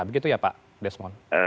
begitu ya pak desmond